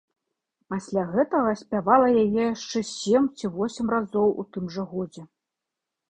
Пасля гэтага спявала яе яшчэ сем ці восем разоў у тым жа годзе.